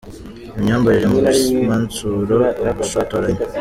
Imyambarire mu bimansuro, ubushotoranyi